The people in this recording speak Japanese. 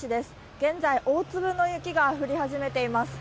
現在、大粒の雪が降り始めています。